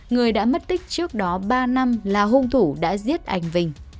người đã mất tích trước đó ba năm là hung thủ đã giết anh vinh